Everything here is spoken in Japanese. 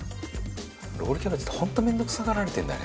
「ロールキャベツって本当面倒くさがられてるんだね」